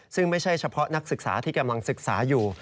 ซึ่งไม่ใช่เฉพาะนักศึกษาที่กำลังศึกษาอยู่